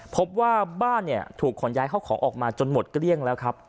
พบว่าบ้านเนี่ยถูกขนย้ายเข้าของออกมาจนหมดเกลี้ยงแล้วครับ